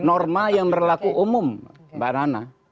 norma yang berlaku umum mbak nana